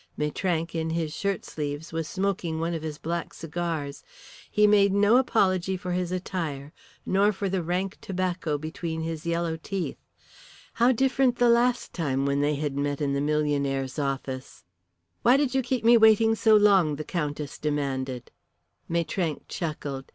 Maitrank, in his shirtsleeves, was smoking one of his black cigars. He made no apology for his attire nor for the rank tobacco between his yellow teeth. How different the last time when they had met in the millionaire's office. "Why did you keep me waiting so long?" the Countess demanded. Maitrank chuckled.